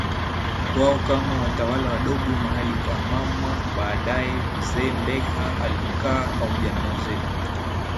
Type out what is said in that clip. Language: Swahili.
wao kama watawala wadogo mahali pa mamaBaadaye mzee Mbegha alikaa pamoja na wazee